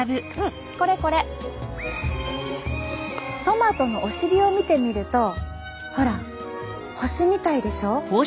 トマトのお尻を見てみるとほら星みたいでしょ？